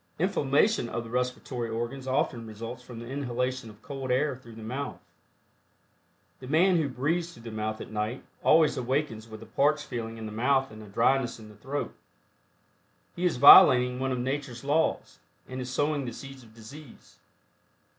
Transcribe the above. Inflammation of the respiratory organs often results from the inhalation of cold air through the mouth. The man who breathes through the mouth at night, always awakens with a parched feeling in the mouth and a dryness in the throat. He is violating one of nature's laws, and is sowing the seeds of disease.